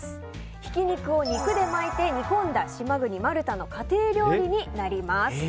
ひき肉を肉で巻いて煮込んだマルタの家庭料理になります。